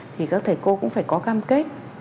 thì các thầy cô cũng phải có cam kết